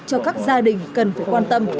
cho các gia đình cần phải quan tâm